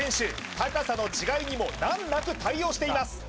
高さの違いにも難なく対応しています